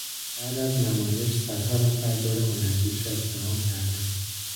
بعد از نمایش صدها نفر دور هنرپیشه ازدحام کردند.